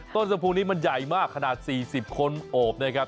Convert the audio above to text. ต้นสะพุงนี้มันใหญ่มากขนาด๔๐คนโอบนะครับ